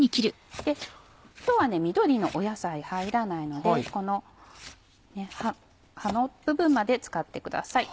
今日は緑の野菜入らないのでこの葉の部分まで使ってください。